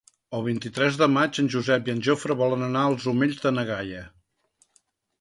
El vint-i-tres de maig en Josep i en Jofre volen anar als Omells de na Gaia.